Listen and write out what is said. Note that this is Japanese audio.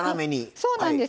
そうなんです。